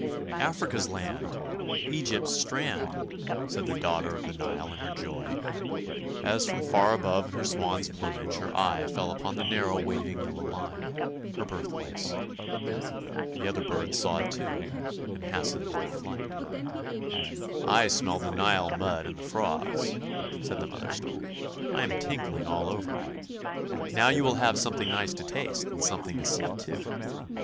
" Africa's land! Egypt's strand! " said the daughter of the Nile in her joy, as from far above in her swan's plumage her eye fell upon the narrow waving yellow line, her birthplace. The other birds saw it too, and hastened their flight. " I smell the Nile mud and the frogs," said the mother stork. " I am tingling all over. Now, you will have something nice to taste, and something to see too.